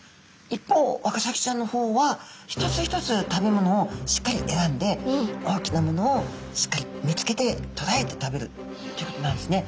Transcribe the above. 一方ワカサギちゃんの方は一つ一つ食べ物をしっかり選んで大きなものをしっかり見つけてとらえて食べるっていうことになるんですね。